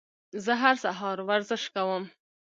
زه هر سهار ورزش کوم.